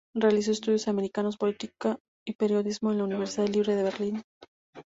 Realizó Estudios Americanos, política y periodismo en la Universidad Libre de Berlín.